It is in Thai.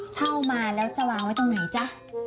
เช่ามาแล้วจะวางไว้ตรงไหนจ๊ะ